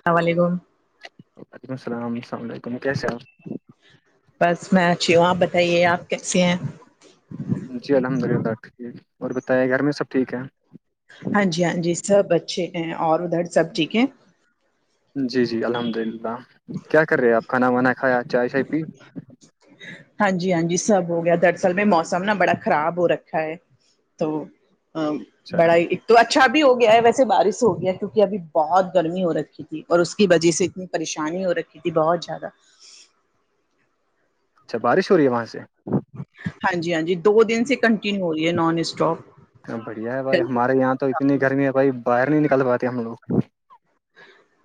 السلام علیکم وعلیکم السلام السلام علیکم کیسے آ بس میں اچھی ہوں آپ بتائیے آپ کیسے ہیں جی الحمد للہ ڈاکٹ ھ اور بتائیے گھر میں سب ٹھیک ہے ہاں جی ہاں جی سب اچھے ہیں اور ادھر سب ٹھیک ہیں جی جی الحمد للہ کیا کر رہے آپ کھانا وانا کھایا چائے شائے پی ہاں جی ہاں جی سب ہو گیا دراصل میں موسم نا بڑا خراب ہو رکھا ہے تو اچھا بڑائی ایک تو اچھا بھی ہو گیا ہے ویسے بارش ہویا ہے کیونکہ اھی بہت گرمی ہو رہکی ہے تھی اور اس کی وجہ سے اتنی پریشانی ہو رکھی تھی بہت زیادہ اچھا بارش ہو رہی ہے وہاں سے ہاں جی ہاں جی دو دن سے کنٹینیو ہو رہی ہے نان اسٹاپ بڑھیا ہے بھائی ہمارے یہاں تو اتنی گرمی ہے بھائی باہر نہیں نکل پاتے ہم لوگ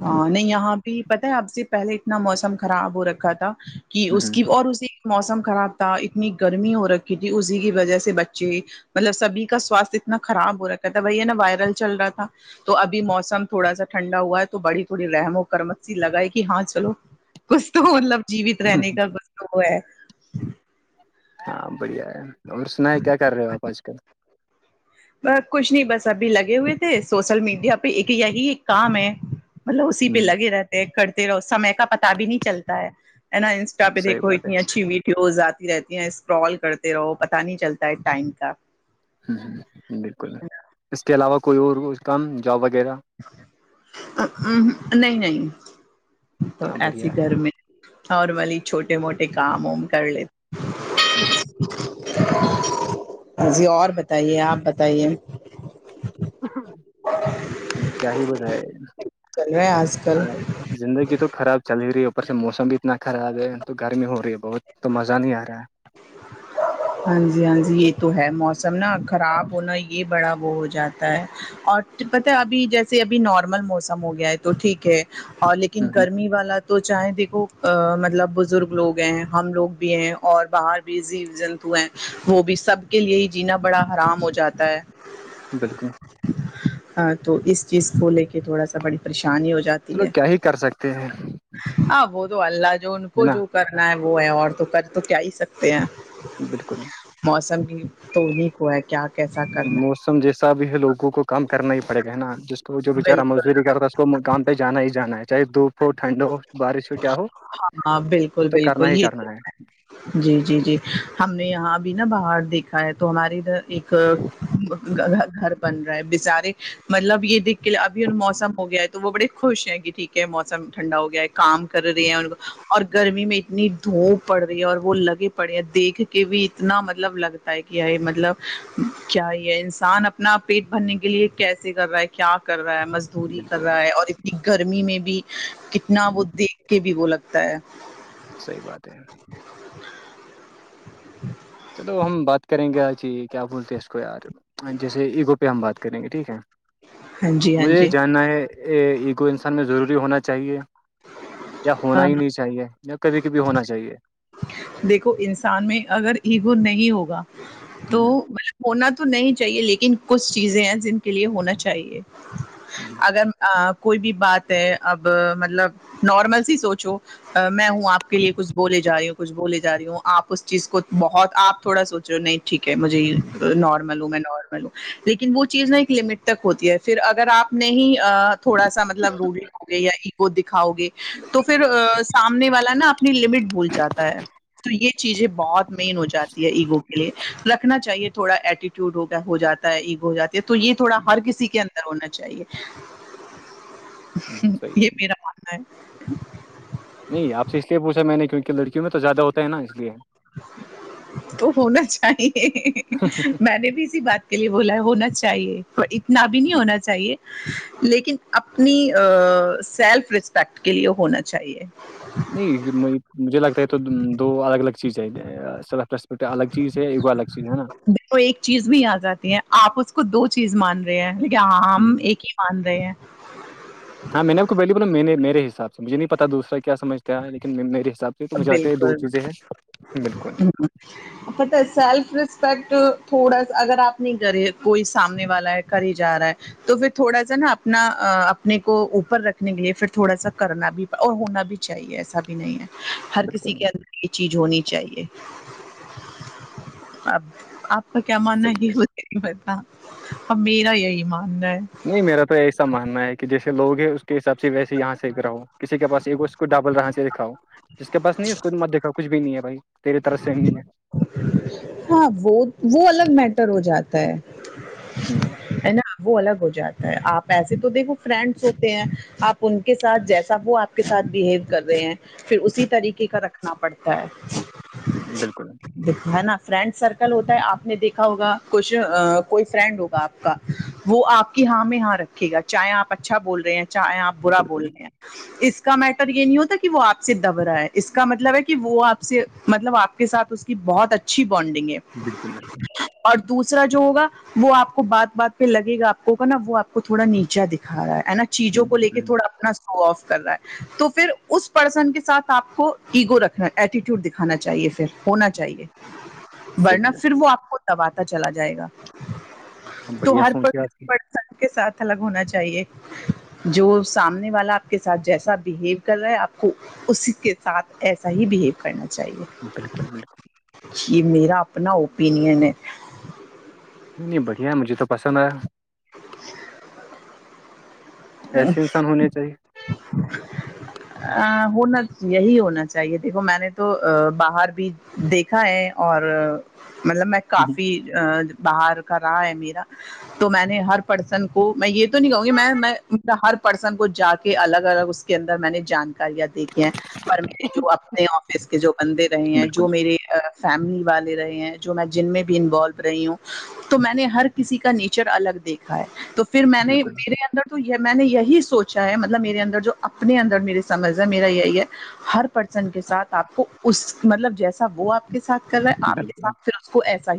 ہ نہیں یہاں بھی پتہ ہے اب سے پہلے اتنا موسم خراب ہو رکھا تھا کہ اس ہوں، کی اور اسی موسم خراب تھا اتنی گرمی ہو رکھی تھی اسی کی وجہ سے بچے مطلب سبھی کا سواستھ اتنا خراب ہو رکھا تھا وہی ہے نا وائرل چل رہا تھا تو ابھی موسم تھوڑا سا ٹھنڈا ہوا ہے تو بڑی بڑی رحم و کرمی لگا ہے کہ ہاں چلو کچھ تو مطلب جیوت ہوں، رہنے کا ب وہ ہے ہاں بڑھیا ہے اور سنا ہے کیا کر رہے ہو آپ آج کل کچھ نہیں بس ابھی لگے ہوئے تھے سوشل میڈیا پہ ایک یہی ایک کام ہے مطلب اسی پہ ہ لگے رہتے ہیں کرتے رہو سمے کا پتا بھی نہیں چلتا ہے ہے نا انسٹا پہ صحیح دیکو بات ات ہے اچھی ویٹ کیوز آتی رہتی ہیں اسکرال کرتے رہو پتا نہیں چلتا ہے ٹائم کا ہ ہوں بالکل اس کے علاوہ کوئی اور کام جاب وغیرہ نہیں نہیں تو ہاں ایسی بڑھیا گر میں اور وہی چھوٹے موٹے کام وم کر لیتے ہے ہوں، جی اور بتائیے آپ بتائیے کیا ہی بتائے چل رہا ہے آج کل زندگی تو خراب چل ہی رہی ہے اوپر سے موسم بھی اتنا خراب ہے تو گرمی ہو رہی ہے بہت تو مزہ نہیں آ رہا ہے ہاں جی ہاں جی یہ تو ہے موسم نا خراب ہونا یہ بڑا بہت جاتا ہے اور پتا ابھی جیسے ابھی نارمل موسم ہو گیا ہے تو ٹھیک ہے اور لیکن ہے لیکن ہ گرمی والا تو چاہے دیکھو مطلب بزرگ لوگ ہیں ہم لوگ بھی ہیں اور باہر بھی جی جن وہ بھی سب کے لیے ہی جینا بڑا حرام ہو جاتا ہے بالکل ہ تو اس چیز کو لے کے تھوڑا سا بڑی پریشانی ہو جاتی چلو ہے کیا ہی کر سکتے ہیں ہاں وہ تو اللہ جو ان ہے کو نا جو کرنا ہے وہ ہے اور تو کر تو کیا ہی سکتے ہیں بالکل موسم بھی تو نہیں ہوا ہے کیا کیسا کرنا موسم جیسا بھی ہے لوگوں کو کام کرنا ہی پڑے گا ہے نا جس کو جو ہے۔ بچارا بالکل مزدوری کرتا کو مکام پہ جانا ہی جانا ہے چاہے دھوپ ہو ٹھنڈ ہو بارش ہو کیا ہو ہاں ہاں بالکل کو تو کرنا بالکل ہی یہ ت کرنا ہے جی جی جی ہم نے یہاں بھی نا باہر دیکھا ہے تو ہماراری ادھر ایک گ گھر بن گ بچارے مطلب یہ دیکھ کے اب موسم ہو گیا ہے تو وہ بڑے خوش ہیں کہ ٹھیک ہے موسم ٹھنڈا ہو گیا ہے کام کر رہی ہیں ان کو اور گرمی میں اتنی دھوپ پڑ رہی اور وہ لگے پڑے ہیں دیکھ کے بھی اتنا مطلب لگتا ہے کہ یہ مطلب کیا یہ انسان اپنا پیٹ بھرنے کے لیے کیسے کر رہا ہے کیا کر رہا ہے مز چوری کر بالکل رہا ہے اور اتنی گرمی میں بھی کتنا وہ دیکھ کے بھی وہ لگتا ہے صحی بات ہے ج چلو ہم بات کریں گے جی کیا بولتے ہیں اس کو یار جیسے ایگو پہ ہم بات کریں گے ٹھیک ہے ہاں جی ہاں مجھے یہ جی جاننا ہے ایگو انسان میں ضروری ہونا چاہیئے یا ہونا آ، ہی نہیں چاہیے یا کبھی کبھی ہونا چاہیے دیکھو انسان میں اگر ایگو نہیں ہوگا تو ہوں ہونا تو نہیں چاہیئے لیکن کچھ چیزیں ہیں جن کے لیئے ہونا چاہیئے [unintelligible] اگر کوئی بھی بات ہے اب مطلب نارمل سی سوچو میں ہوں آ کے لیے کچھ بولے جای ہوں کچھ بول جا رہی ہوں آپ اس چیز کو بہت آپ تھوڑا سوچ رہے ہو نہیں ٹھیک ہے مجھے ہ ہوں میں نارمل ہوں لیکن وہ چیز ایک لٹ تک ہوتی ہے اگر آپ نہیں تھوڑا سا مطلب رول لو گے یا ایگو دکھاؤ گے تو پھر سامنے والا نا اپنی لمٹ بھول جاتا ہے تو یہ چیزیں بہت مین ہو جاتی ہے ایگو کے لیے رکھنا چاہیے تھوڑا ایٹی ٹ ہو ہو جاتا ہے عگ ہو جاتا تو یہ تھوڑا ہر کسی کے اندر ہونا چاہیے ہوں صحیح یہ ہے میرا ماننا ہے نہیں آپ سے اس لیے پوچھا میں نے کیونکہ لڑکوں میں تو زیادہ ہوتا ہے نا اس لیے تو ہونا چاہیے میں نے بھی اسی بات کے لیے بولا ہے ہونا چاہیے اتنا بھی نہیں ہونا چاہیے لیکن اپنی سیلف رسپیکٹ کے لیے ہونا چاہیے نہیں مجھے لگتا ہے تو دو الگ الگ چیز ہےٹ الگ چیز ہے اگو الگ چیز ہے نا تو ایک چیز بھی آ جاتی ہے آپ اس کو دو چیز مان رہے ہیں لیکے ہم ایک ہی ماند ہیں ہاں میں نے آپ کو پہلی بولا مے حساب سےجھے نہیں پتا دوسرا کیا سمجھتا ہے لیکن میرے حساب سے تو ب جاتے ہیں دو چیزیں بالکل ہیں بالکل پتہ ہے سیلف رسپیکٹ تھوڑا سا اگر آپ نہیں کرے کوئی سامنے والا ہے کر ہی جا رہا ہے تو پھر تھوڑا سا نا اپنا اپنے کو اوپر رکھنے کے لیے پھر تھوڑا سا کرنا بھی اور ہونا بھی چاہیے ایسا بھی نہیں ہے ہر کسی بالکل کے انر یہ چیز ہونی چاہیے اب آپ تو کیا ماننا ہے ہی نہیں پتا اب میرا یہی ماننا ہے نہیں میرا تو ایسا ماننا ہے کہ جیسے لوگ ہیں اس کے حساب سے ویسے یہاں سے ایک رہو کسی کے پاس ایک اس کو ڈبل رہ سے دکھاؤ جس کے پس نہیں اس کو مت دکھاؤ کچھ بھی نہیں ہے بھائی تری طرف سے نہیں ہے ہاں وہ وہ الگ میٹر ہو جاتا ہے ہے [unintelligible] وہ الگ ہو جاتا ہے آپ ایسے تو دیکھو فرینڈس ہوتے ہیں آپ ان کے ساتھ جیسا وہ کے ساتھ بہیو کر رہے ہیں پھر اسی طریقے کا رکھنا پڑتا ہے [unintelligible] ہے نا فرینڈ سرکل ہوتا ہے آپ نے دیکھا ہوگا کچھ کوئی فرینڈ ہوگا آپ کا وہ آپ کی ہاں میں یہاں رکھے گا چاہے آپ اچھا بول رہے ہیں چاہے آپ برا بول بالکل رہے ہیں اس کا میٹر یہ نہیں ہوتا کہ وہ آپ سے دب رہا ہے اس کا مطلب ہے کہ وہ آپ سے مطلب آپ کے ساتھ اس کی بہت اچھی بانڈنگ ہے بالکل بالکل اور دوسرا جو ہوگا وہ آپ کو بات بات پہ لگے گا آپ کو نا وہ آپ کو تھوڑا نیچا دکھا رہا ہے نا چیزوں کو لے کے بالکل تھوڑا اپنا سو آف کر رہا ہے تو پھر اس پرسن کے سھ آپ کو ایگو رکھنا ایٹیٹیوڈ دکھانا چاہیے پھر ہونا چاہیے چاہیے ورنہ صحیح پھر وہ آپ کو تباتا چلا جائے گا ہے تو بڑھیا ہر پر سوچے کسی آپ کی پڑسان کے ساتھ الگ ہونا چاہیے جو سامنے والا آپ کے ساتھ جیسا بہیو کر رہا ہے آپ کو اسی کے ساتھ ایسا ہی بہیو کرنا چاہیے بالکل بالکل یہ میرا اپنا اوپینئن ہے نہیں نہیں بڑھیا مجھے تو پسند آ [unintelligible] ایسے انسان ہونے چاہیے ا ہونا یہی ہونا چاہیے دیکھو میں نے تو باہر بھی دیکھا ہے اور مطلب میں کافی باہر کا رہا ہے میرا تو میں نے ہر پرسن کو میں یہ تو نہیں کہوں گی میں ہر پرسن کو جا کے الگ الگ اس کے اندر میں نے جانکاریاں دیک پر میرے جو اپنے آفس کے جو بندے رہے ہیں بالکل جو میرے فیملی والے رہے ہیں جو میں جن میں بھی انوالو رہی ہوں تو میں نے ہر کسی کا نیچر الگ دیکھا ہے تو پھر میں نے بالکل میرے اندر تو یہ میں نے یہی سوچا ہے مطلب میرے اندر جو اپنے اندر میری سمجھ ہے میرا یہی ہے ہر پرسن کے ساتھ آپ کو اس مطلب جیسا وہ آپ کے سھ کر رہا ہے آپ کے بالکل ساتھ پھر اس کو ایسا ہی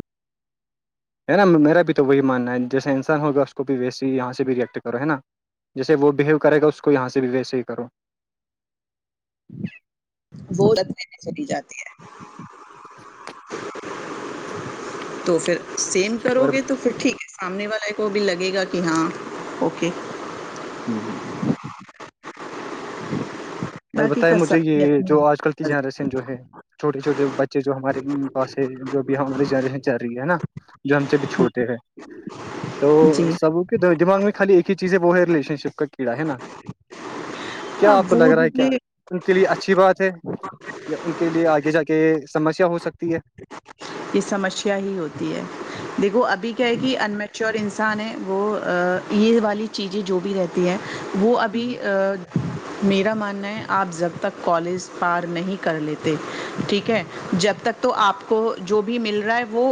ہے نا میرا بھی تو وہی ماننا ہے جیسا انسان ہوگا اس کو بھی ویسیے ہی یہاں سے بھی ریئیکٹ کرو ہے نا جیسے وہ بہیو کرے گا اس کو یہاں سے بھی ویسے ہی کرو وہ جاتی ہے تو پھر سیم کرو گے تو پھر ٹھیک ہے سامنے والے کو بھی لگے گا کہ ہاں اوکے ہوں ہوں ہ اور باقی بتائے کا مجھے سب کی یہ جو اپنی آج کل کی جنریشن جو ہے چھوٹے چھوٹے بچے جو ہمارے پاس جو بھی ہمارے جاں چل رہی ہے نا جو ہم سے بھی چھوٹے ہیں تو جی سب دماغ میں خالی ایک ہی چیز ہے وہ ہے ریشن شپ کا کیڑا ہے نا کیا آپ اب کو لگ وہ رہا ہے کیا دیے ان کے لیے اچھی بات ہے یا ان کے لیے آگے جا کے سمسیا ہو سکتی ہے یہ سمسیا ہی ہوتی ہے دیکھو ابھی کیا ہے کہ انمٹ اور انسان ہے وہ یہ والی چیزیں جو بھی رہتی ہیں وہ ابھی [inaudible] میرا ماننا ہے آپ جب تک کالج پار نہیں کر لیتے ٹھیک ہے جب تک تو آپ کو جو بھی مل رہا ہے وہ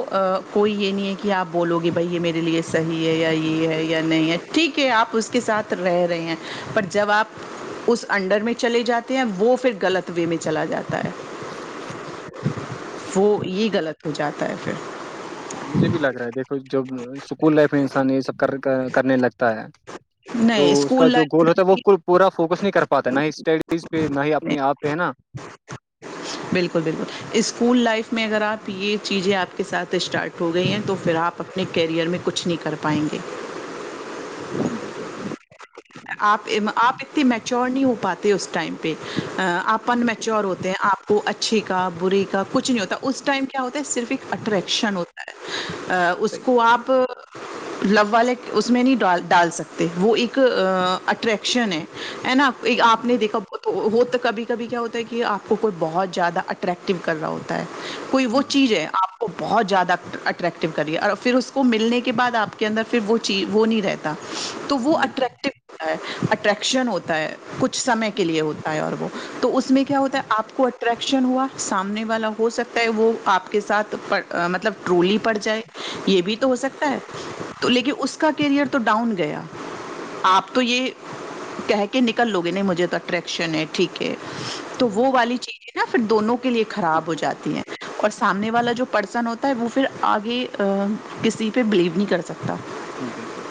کوئی یہ نہیں ہے کہ آپ بولو گے بھائی یہ میرے لیے صحیح ہے یا یہ ہے بالکل یا نہیں ہے ٹھیک ہے آپ اس کے ساتھ رہ رہے ہیں پر جب آپ اس انڈر میں چلے جاتے ہیں وہ پھر غلط وے میں چلا جاتا وہ یہ غلط ہو جاتا ہے پھر اور مجھے بھی لگ رہا ہے دیکھو ج اسکول لائف میں انسان یہ سب کرنے لگتا ہے تو نہیں اس کا اسکول جو لائف گول ہوتا ہے وہ میں پورا فوکس نہیں کر پاتا نہ ہی اسٹڈیز پہ نہ ہی اپنے آپ پہ ہے نا [inaudible] بالکل بالکل اسکول لائف میں اگر آپ یہ چیزیں آپ کے ساتھ اسٹارٹ ہو گئی ہیں تو پھر آپ اپنے کیریئر میں کچھ نہیں کر پائیں گے بالکل آپ آپ اتنی میچور نہیں ہو پاتے اس ٹائم پہ آپ ان بالکل میچور ہوتے ہیں آپ وہ اچھے کا بری کا کچھ نہیں ہوتا اس ٹائم کیا ہوتا ہے صرف ایک اٹریکشن ہوتا ا اس صحیح کو ہے آپ لو والے اس میں نہیں ڈال ڈال سکتے وہ ایک اٹریکشن ہے ہے نا آپ ہوں نے دیکھا بہت وہ تو کبھی کبھی کیا ہوتا ہے کہ آپ کو کوئی بہت زیادہ اٹریکٹو کر رہا ہوتا ہے کوئی وہ چیز ہے آپ وہ بہت زیادہ اٹریکٹیو کریے اور پھر اس کو ملنے کے بعد آپ کے اندر پھر وہ چیز وہ نہیں رہتا تو وہ ہوں بالکل اٹریکٹ ہوتا ہے اٹریکشن ہوتا ہے کچھمے کے لیے ہوتا ہے اور وہ تو اس میں کیا ہوتا ہے آپ کو ا اٹریکشن ہوا سامنے والا ہو سکتا ہے وہ آپ کے ساتھ مطلب ٹرولی پڑ جائے یہ بھی تو ہو سکتا ہے صحیح تو لیکن اس کا کیریئر تو ڈاؤن گیا آپ تو یہ کہہ کے نکل لو گے نہیں مجھے تو اٹریکشن ہے ٹھیک ہے ہے تو وہ والی چیزیں نا پھر دونوں کے لیے خراب ہو جاتی ہیں اور سامنے والا جو پرسن ہوتا ہے وہ پھر آگے کسی پہ بلیو نہیں کر سکتا بالکل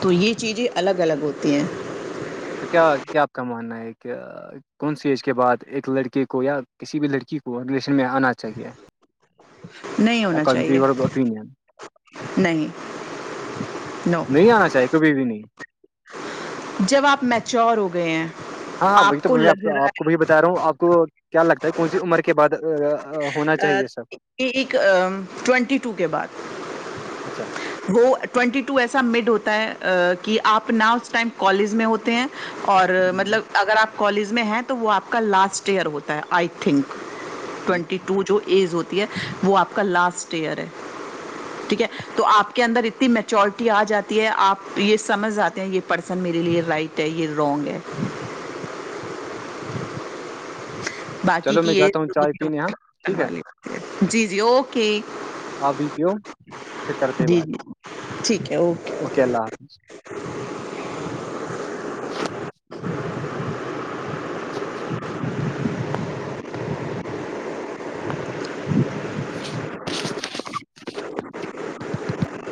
تو یہ چیزیں الگ الگ ہوتی ہیں تو کیا کیا آپ کا ماننا ہے کہ کون سی ایج کے بعد ایک لڑکے کو یا کسی بھی لڑکی کو ریلیشن میں آنا چاہیے نہیں ہونا چاہیے کمیور اپینن نہیں نو نہیں آنا چاہیے کبھی بھی نہیں جب آپ میچور ہو گئے ہیں ہاں ہاں بھائی آپ تو کو لگ رہا آ کو ب بھی بتا رہا ہوں آپ کو کیا لگتا ہے کونی عمر کے بعد آ، آ، ہونا چاہیے یہ سب ایک ٹوینٹی ٹو کے بعد اچھا وہ ٹوینٹی ٹو ایسا مڈ ہوتا ہے کہ آپ نہ اس ٹائم کالج میں ہوتے ہیں اور مطلب اگر آپ کالج میں ہیں تو وہ آپ کا لاسٹ ایئر ہوتا ہے آئی تھنک ٹھیک ٹوینٹی ٹو جو ایج ہوتی ہے وہ آپ کا لاسٹ ایئر ہے ٹھیک ہے تو آپ کے اندر اتنی م میچورٹی آ جاتی ہے آپ یہ سمجھ آے ہیں یہ پرسن میرے لیے رائٹ ہے یہ رانگ ہے باقی چلو میں کی جاتا ہوں چائے پینے یہاں ہے ٹھیک ہے جی جی اوک جی آپ بھی پیو پھر کرتے ہیں جی بات ٹھیک ہے اوکے اوکے اللہ حافظ چچچ ںھف ھب گب